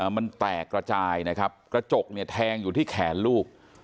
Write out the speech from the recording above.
มันแตกระจายนะครับกระจกเนี่ยแทงอยู่ที่แขนลูก